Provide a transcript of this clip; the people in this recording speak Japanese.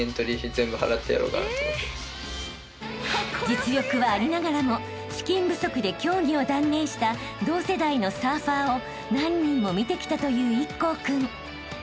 ［実力はありながらも資金不足で競技を断念した同世代のサーファーを何人も見てきたという壱孔君］